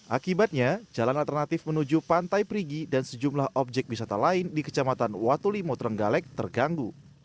akibatnya jalan alternatif menuju pantai perigi dan sejumlah objek wisata lain di kecamatan watulimo trenggalek terganggu